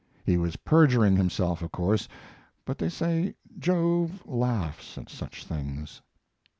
He was perjuring himself, of course, but they say Jove laughs at such things.